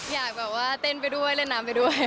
อยากแบบว่าเต้นไปด้วยเล่นน้ำไปด้วย